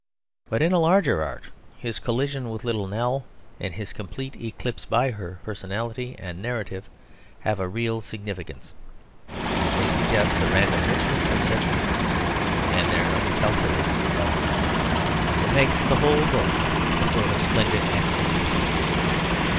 But in a larger art, his collision with Little Nell and his complete eclipse by her personality and narrative have a real significance. They suggest the random richness of such meetings, and their uncalculated results. It makes the whole book a sort of splendid accident.